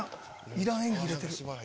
いらん演技入れてる。